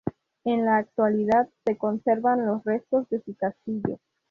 En la actualidad se conservan los restos de su castillo.